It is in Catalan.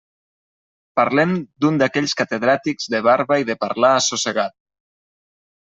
Parlem d'un d'aquells catedràtics de barba i de parlar assossegat.